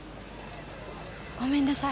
ごめんなさい。